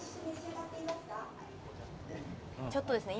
ちょっとですね